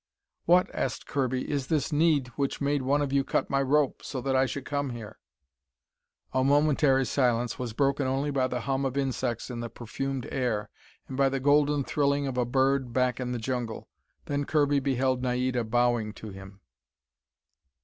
"What," asked Kirby, "is this need which made one of you cut my rope, so that I should come here?" A momentary silence was broken only by the hum of insects in the perfumed air, and by the golden thrilling of a bird back in the jungle. Then Kirby beheld Naida bowing to him.